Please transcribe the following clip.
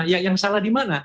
ya yang salah di mana